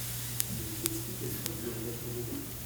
Les explications viennent d’être données.